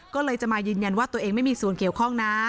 ก็เลยจะมายืนยันว่าตัวเองไม่มีส่วนเกี่ยวข้องนะ